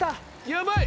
ヤバい。